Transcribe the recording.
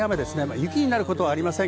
雪になることはありません。